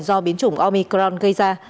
do biến chủng omicron gây ra